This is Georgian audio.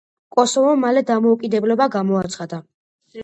კოსოვომ მალე დამოუკიდებლობა გამოაცხადა.